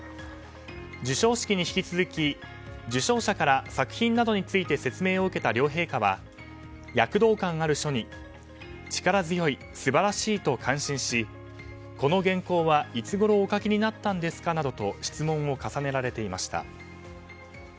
授賞式に引き続き受賞者から作品などについて説明を受けた両陛下は躍動感ある書に力強い、素晴らしいと感心しこの原稿はいつごろお書きになったんですかなどと質問を重ねられていました。